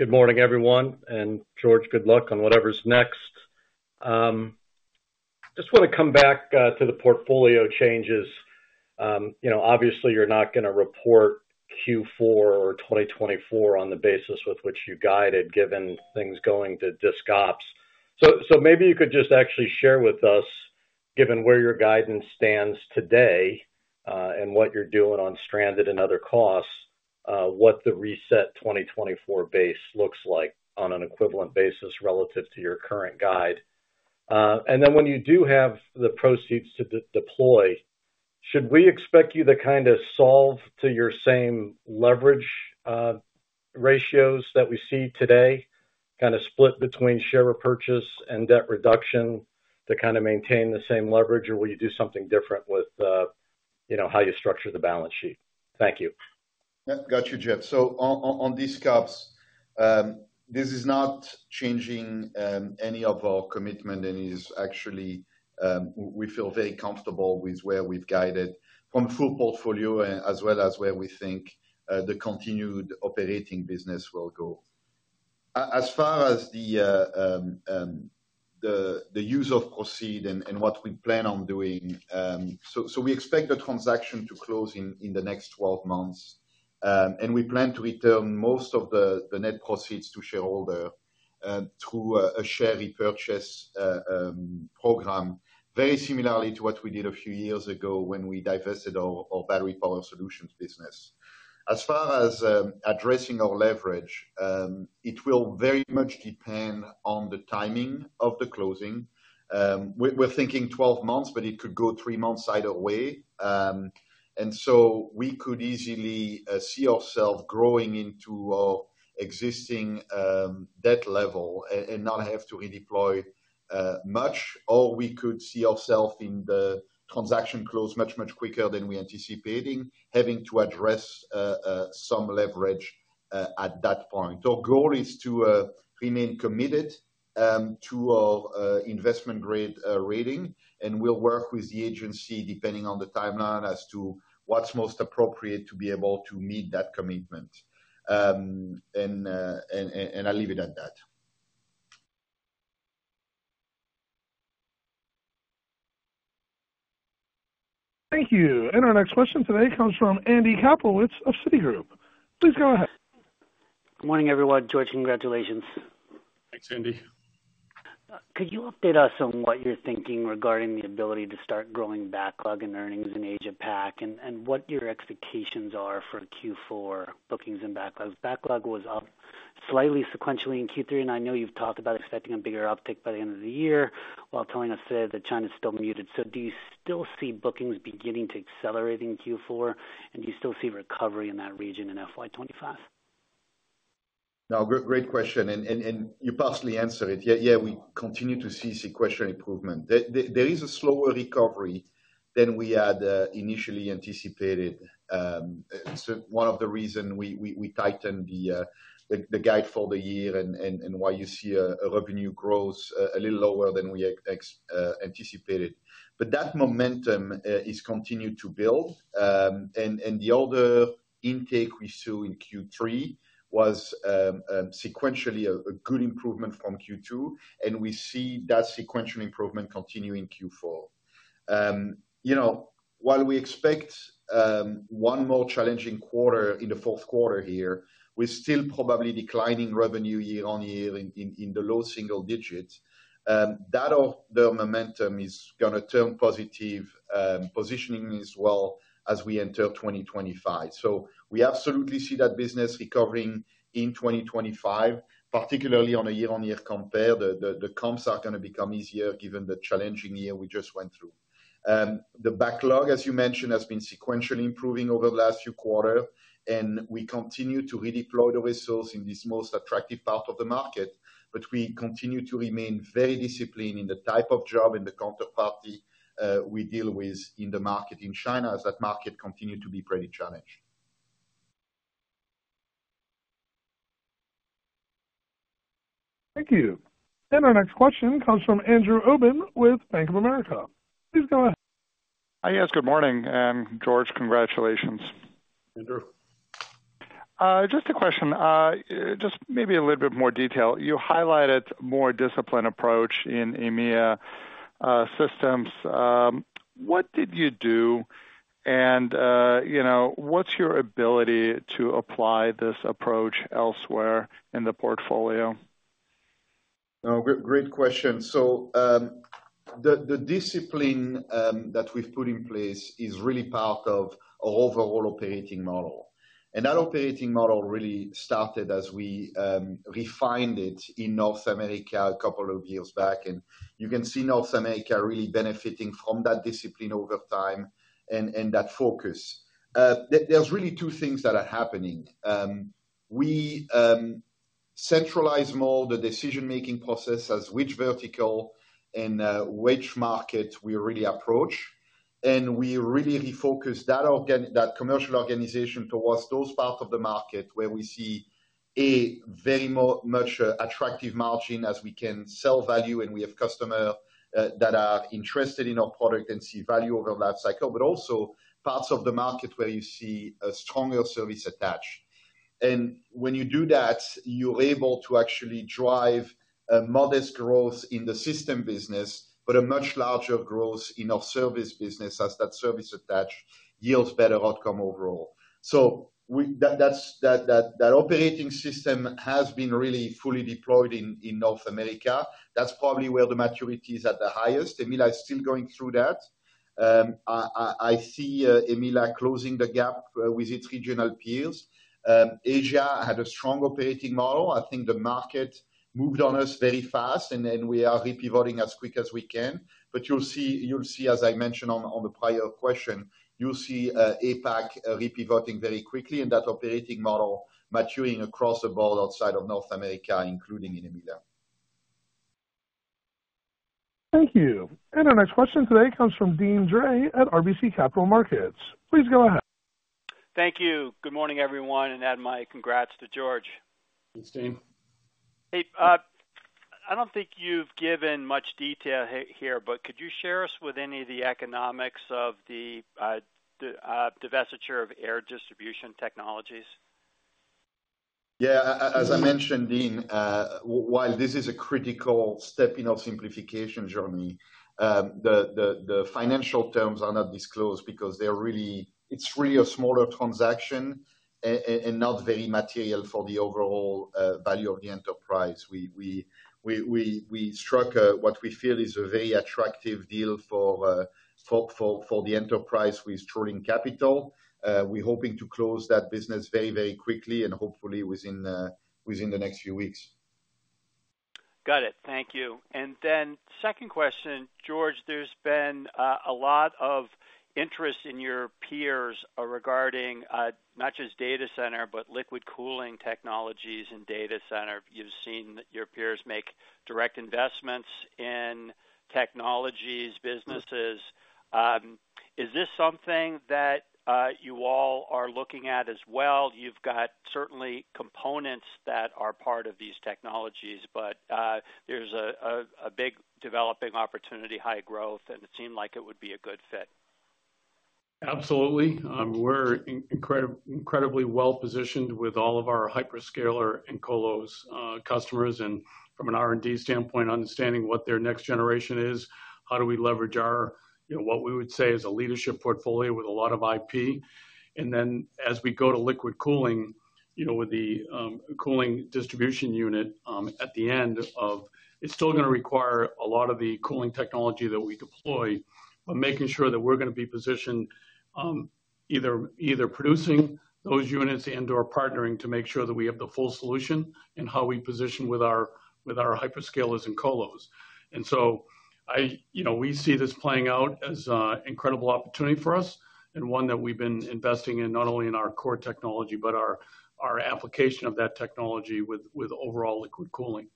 Good morning, everyone. And George, good luck on whatever's next. Just want to come back to the portfolio changes. Obviously, you're not going to report Q4 or 2024 on the basis with which you guided, given things going to discops. So maybe you could just actually share with us, given where your guidance stands today and what you're doing on stranded and other costs, what the reset 2024 base looks like on an equivalent basis relative to your current guide. And then when you do have the proceeds to deploy, should we expect you to kind of solve to your same leverage ratios that we see today, kind of split between share repurchase and debt reduction to kind of maintain the same leverage, or will you do something different with how you structure the balance sheet? Thank you. Yeah, got you, Jeff. So on dispositions, this is not changing any of our commitment, and we feel very comfortable with where we've guided from the full portfolio as well as where we think the continued operating business will go. As far as the use of proceeds and what we plan on doing, so we expect the transaction to close in the next 12 months. And we plan to return most of the net proceeds to shareholders through a share repurchase program, very similarly to what we did a few years ago when we divested our battery power solutions business. As far as addressing our leverage, it will very much depend on the timing of the closing. We're thinking 12 months, but it could go three months either way. And so we could easily see ourselves growing into our existing debt level and not have to redeploy much, or we could see ourselves in the transaction close much, much quicker than we anticipated, having to address some leverage at that point. Our goal is to remain committed to our investment grade rating, and we'll work with the agency depending on the timeline as to what's most appropriate to be able to meet that commitment. And I'll leave it at that. Thank you. And our next question today comes from Andy Kaplowitz of Citigroup. Please go ahead. Good morning, everyone. George, congratulations. Thanks, Andy. Could you update us on what you're thinking regarding the ability to start growing backlog in earnings in Asia-Pac and what your expectations are for Q4 bookings and backlogs? Backlog was up slightly sequentially in Q3, and I know you've talked about expecting a bigger uptick by the end of the year while telling us today that China is still muted. So do you still see bookings beginning to accelerate in Q4? And do you still see recovery in that region in FY25? No, great question. You partially answered it. Yeah, we continue to see sequential improvement. There is a slower recovery than we had initially anticipated. It's one of the reasons we tightened the guide for the year and why you see a revenue growth a little lower than we anticipated. But that momentum is continued to build. The other intake we saw in Q3 was sequentially a good improvement from Q2, and we see that sequential improvement continue in Q4. While we expect one more challenging quarter in the fourth quarter here, we're still probably declining revenue year-on-year in the low single digits. That momentum is going to turn positive positioning as well as we enter 2025. We absolutely see that business recovering in 2025, particularly on a year-on-year compare. The comps are going to become easier given the challenging year we just went through. The backlog, as you mentioned, has been sequentially improving over the last few quarters, and we continue to redeploy the resources in this most attractive part of the market. But we continue to remain very disciplined in the type of job and the counterparty we deal with in the market in China as that market continues to be pretty challenged. Thank you. And our next question comes from Andrew Obin with Bank of America. Please go ahead. Hi, yes. Good morning. And George, congratulations. Andrew. Just a question. Just maybe a little bit more detail. You highlighted a more disciplined approach in EMEA systems. What did you do, and what's your ability to apply this approach elsewhere in the portfolio? Great question. So the discipline that we've put in place is really part of our overall operating model. And that operating model really started as we refined it in North America a couple of years back. You can see North America really benefiting from that discipline over time and that focus. There's really two things that are happening. We centralize more the decision-making process as which vertical and which market we really approach. We really refocus that commercial organization towards those parts of the market where we see a very much attractive margin as we can sell value, and we have customers that are interested in our product and see value over lifecycle, but also parts of the market where you see a stronger service attached. When you do that, you're able to actually drive a modest growth in the system business, but a much larger growth in our service business as that service attached yields better outcome overall. So that operating system has been really fully deployed in North America. That's probably where the maturity is at the highest. EMEALA is still going through that. I see EMEALA closing the gap with its regional peers. Asia had a strong operating model. I think the market moved on us very fast, and we are re-pivoting as quick as we can. But you'll see, as I mentioned on the prior question, you'll see APAC re-pivoting very quickly and that operating model maturing across the board outside of North America, including in EMEALA. Thank you. And our next question today comes from Deane Dray at RBC Capital Markets. Please go ahead. Thank you. Good morning, everyone. And add my congrats to George. Thanks, Deane. Hey, I don't think you've given much detail here, but could you share us with any of the economics of the divestiture of Air Distribution Technologies? Yeah, as I mentioned, Deane, while this is a critical step in our simplification journey, the financial terms are not disclosed because it's really a smaller transaction and not very material for the overall value of the enterprise. We struck what we feel is a very attractive deal for the enterprise with Truelink Capital. We're hoping to close that business very, very quickly and hopefully within the next few weeks. Got it. Thank you. And then second question, George, there's been a lot of interest in your peers regarding not just data center, but liquid cooling technologies and data center. You've seen your peers make direct investments in technologies, businesses. Is this something that you all are looking at as well? You've got certainly components that are part of these technologies, but there's a big developing opportunity, high growth, and it seemed like it would be a good fit. Absolutely. We're incredibly well positioned with all of our hyperscaler and colos customers. From an R&D standpoint, understanding what their next generation is, how do we leverage our what we would say is a leadership portfolio with a lot of IP. Then as we go to liquid cooling with the cooling distribution unit at the end of it, it's still going to require a lot of the cooling technology that we deploy, but making sure that we're going to be positioned either producing those units and/or partnering to make sure that we have the full solution and how we position with our hyperscalers and colos. So we see this playing out as an incredible opportunity for us and one that we've been investing in not only in our core technology, but our application of that technology with overall liquid cooling.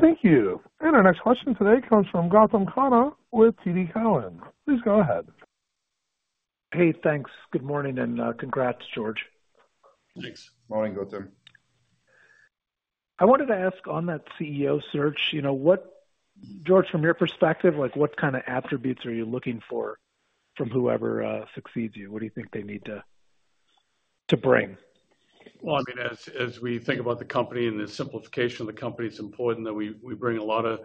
Thank you. And our next question today comes from Gautam Khanna with TD Cowen. Please go ahead. Hey, thanks. Good morning and congrats, George. Thanks. Morning, Gautam. I wanted to ask on that CEO search, George, from your perspective, what kind of attributes are you looking for from whoever succeeds you? What do you think they need to bring? Well, I mean, as we think about the company and the simplification of the company, it's important that we bring a lot of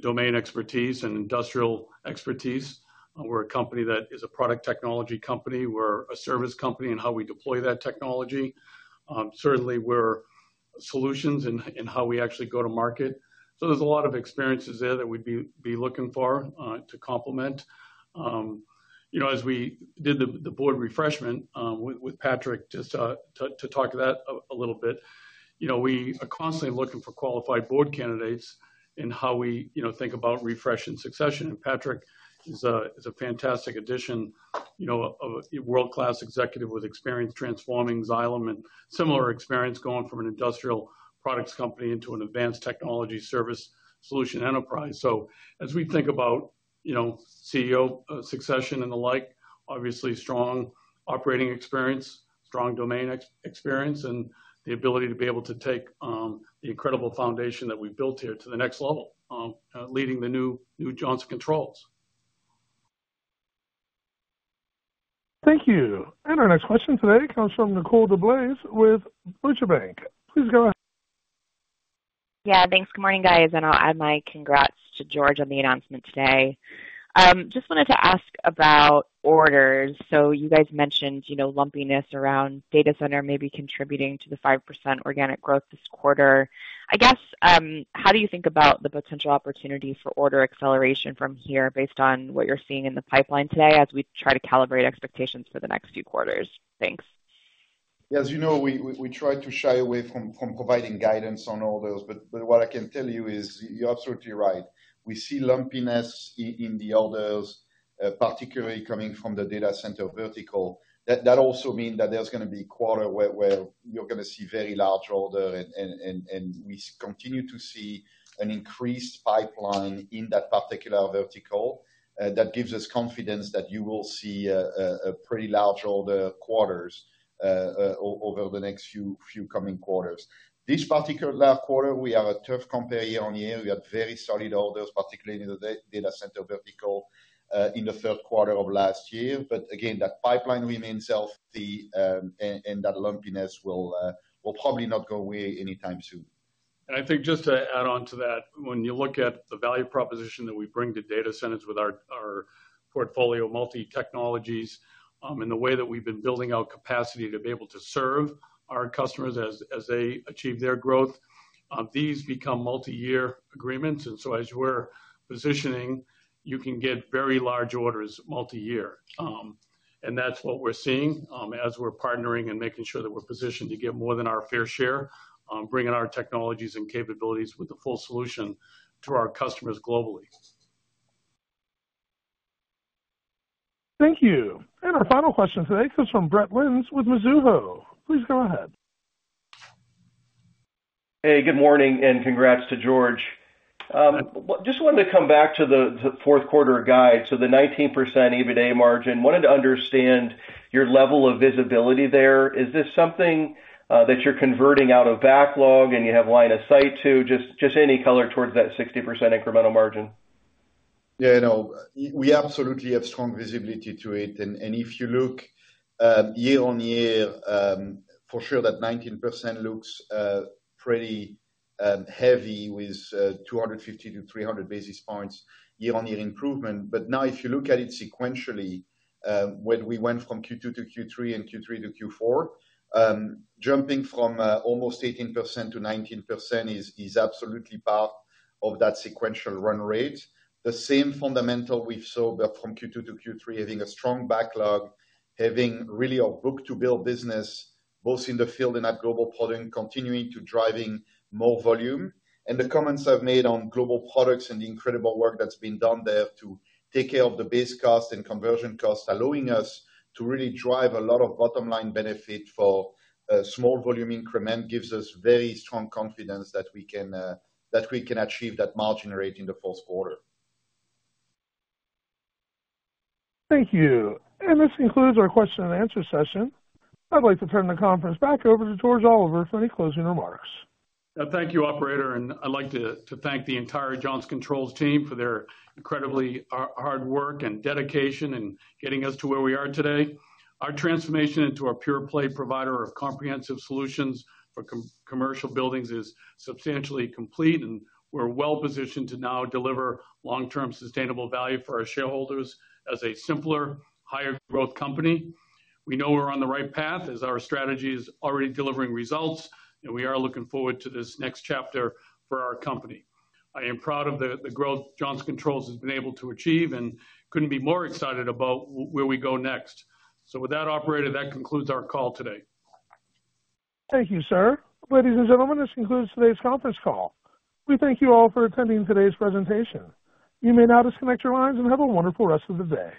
domain expertise and industrial expertise. We're a company that is a product technology company. We're a service company and how we deploy that technology. Certainly, we're solutions and how we actually go to market. So there's a lot of experiences there that we'd be looking for to complement. As we did the board refreshment with Patrick just to talk to that a little bit, we are constantly looking for qualified board candidates and how we think about refreshing succession. And Patrick is a fantastic addition, a world-class executive with experience transforming Xylem and similar experience going from an industrial products company into an advanced technology service solution enterprise. So as we think about CEO succession and the like, obviously strong operating experience, strong domain experience, and the ability to be able to take the incredible foundation that we've built here to the next level, leading the new Johnson Controls. Thank you. And our next question today comes from Nicole DeBlase with Deutsche Bank. Please go ahead. Yeah, thanks. Good morning, guys. And I'll add my congrats to George on the announcement today. Just wanted to ask about orders. So you guys mentioned lumpiness around data center maybe contributing to the 5% organic growth this quarter. I guess, how do you think about the potential opportunity for order acceleration from here based on what you're seeing in the pipeline today as we try to calibrate expectations for the next few quarters? Thanks. Yeah, as you know, we try to shy away from providing guidance on orders. But what I can tell you is you're absolutely right. We see lumpiness in the orders, particularly coming from the data center vertical. That also means that there's going to be a quarter where you're going to see very large orders, and we continue to see an increased pipeline in that particular vertical. That gives us confidence that you will see a pretty large order quarters over the next few coming quarters. This particular quarter, we have a tough compare year-over-year. We had very solid orders, particularly in the data center vertical in the third quarter of last year. But again, that pipeline remains healthy, and that lumpiness will probably not go away anytime soon. And I think just to add on to that, when you look at the value proposition that we bring to data centers with our portfolio of multi-technologies and the way that we've been building our capacity to be able to serve our customers as they achieve their growth, these become multi-year agreements. And so as you were positioning, you can get very large orders multi-year. And that's what we're seeing as we're partnering and making sure that we're positioned to get more than our fair share, bringing our technologies and capabilities with the full solution to our customers globally. Thank you. And our final question today comes from Brett Linzey with Mizuho. Please go ahead. Hey, good morning and congrats to George. Just wanted to come back to the fourth quarter guide. So the 19% EBITDA margin, wanted to understand your level of visibility there. Is this something that you're converting out of backlog and you have line of sight to, just any color towards that 60% incremental margin? Yeah, no, we absolutely have strong visibility to it. And if you look year-on-year, for sure that 19% looks pretty heavy with 250 to 300 basis points year-on-year improvement. But now if you look at it sequentially, when we went from Q2 to Q3 and Q3 to Q4, jumping from almost 18% to 19% is absolutely part of that sequential run rate. The same fundamental we saw from Q2 to Q3, having a strong backlog, having really a book-to-build business both in the field and at global product, continuing to drive more volume. The comments I've made on global products and the incredible work that's been done there to take care of the base cost and conversion cost, allowing us to really drive a lot of bottom line benefit for small volume increment gives us very strong confidence that we can achieve that margin rate in the fourth quarter. Thank you. This concludes our question and answer session. I'd like to turn the conference back over to George Oliver for any closing remarks. Thank you, Operator. I'd like to thank the entire Johnson Controls team for their incredibly hard work and dedication in getting us to where we are today. Our transformation into a pure-play provider of comprehensive solutions for commercial buildings is substantially complete, and we're well positioned to now deliver long-term sustainable value for our shareholders as a simpler, higher-growth company. We know we're on the right path as our strategy is already delivering results, and we are looking forward to this next chapter for our company. I am proud of the growth Johnson Controls has been able to achieve and couldn't be more excited about where we go next. So with that, Operator, that concludes our call today. Thank you, sir. Ladies and gentlemen, this concludes today's conference call. We thank you all for attending today's presentation. You may now disconnect your lines and have a wonderful rest of the day.